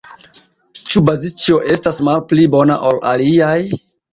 Ĉu Bazĉjo estas malpli bona ol aliaj?